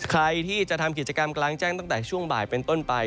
ใครที่จะทำกิจกรรมกลางแจ้งตั้งแต่ช่วงบ่ายเป็นต้นไป